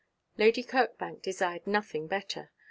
Lady Kirkbank desired nothing better.